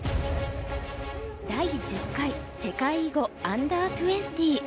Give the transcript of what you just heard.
第１０回世界囲碁Ｕ−２０。